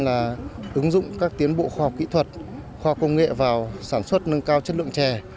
là ứng dụng các tiến bộ khoa học kỹ thuật khoa công nghệ vào sản xuất nâng cao chất lượng chè